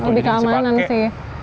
lebih keamanan sih